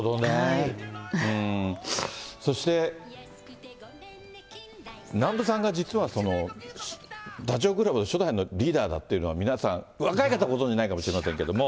そして、南部さんが実はダチョウ倶楽部の初代のリーダーだっていうのは、皆さん、若い方はご存じないかもしれないですけれども。